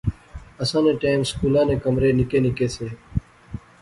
اساں نے ٹیم سکولا نے کمرے نکے نکے سے